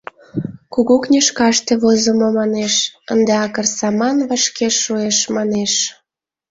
Кугу книжкаште возымо, манеш, ынде акырсаман вашке шуэш, манеш.